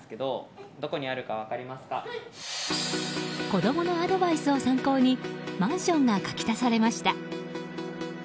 子供のアドバイスを参考にマンションが描き足されました。